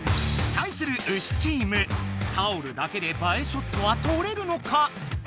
対するタオルだけで映えショットはとれるのか？